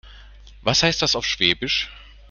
Was heißt das auf Schwäbisch?